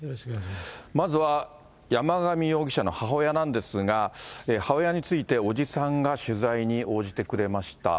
まずは山上容疑者の母親なんですが、母親について伯父さんが取材に応じてくれました。